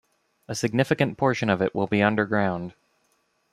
A significant portion of it will be underground.